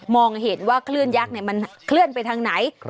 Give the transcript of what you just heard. เห็นว่าคลื่นยักษ์มันเคลื่อนไปทางไหน